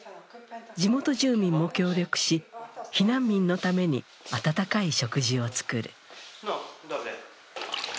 地元住民も協力し、避難民のために温かい食事を作る。